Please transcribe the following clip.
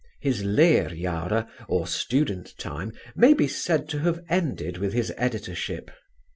His Lehrjahre or student time may be said to have ended with his editorship.